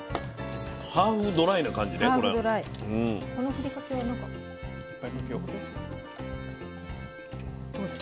ハーブドライな感じね